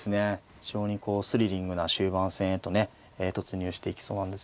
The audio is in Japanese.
非常にこうスリリングな終盤戦へとね突入していきそうなんですけども。